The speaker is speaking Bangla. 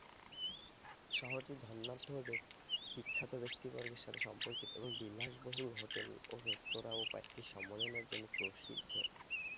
শহরটি ধনাঢ্য ও বিখ্যাত ব্যক্তিবর্গের সাথে সম্পর্কিত এবং বিলাসবহুল হোটেল ও রেস্তোরাঁ, ও কয়েকটি সম্মেলনের জন্য প্রসিদ্ধ।